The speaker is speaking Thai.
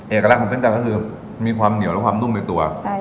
เอกลักษณ์ของเส้นจันทร์ก็คือมีความเหนียวและความนุ่มในตัว